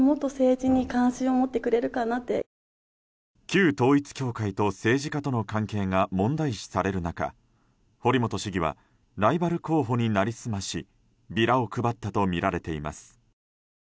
旧統一教会と政治家との関係が問題視される中堀本市議はライバル候補に成り済ましビラを配ったとみられています。